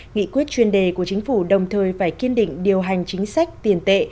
nghị quyết chuyên đề của chính phủ đồng thời phải kiên định điều hành chính sách tiền tệ